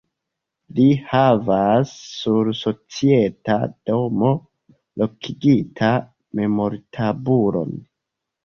Li havas sur Societa domo lokigita memortabulon.